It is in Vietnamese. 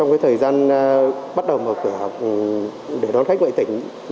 cái thời gian bắt đầu mở cửa để đón khách ngoại tỉnh